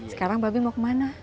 sekarang mbak ben mau kemana